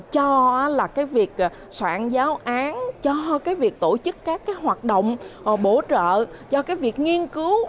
cho việc soạn giáo án cho việc tổ chức các hoạt động bổ trợ cho việc nghiên cứu